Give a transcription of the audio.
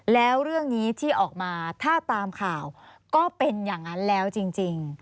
แล้วเรื่องนี้ที่ออกมาถ้าตามข่าวก็เป็นอย่างนั้นแล้วจริง